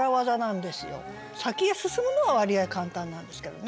先へ進むのは割合簡単なんですけどね。